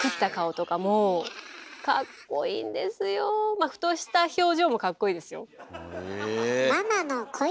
まあふとした表情もかっこいいですよ。